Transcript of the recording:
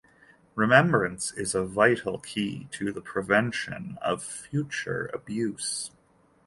Remembrance is a vital key to the prevention of future abuse.